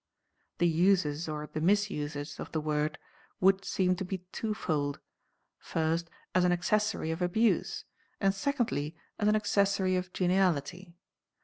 The uses, or the misuses, of the word would seem to be twofold: first, as an accessory of abuse, and secondly, as an accessory of geniality.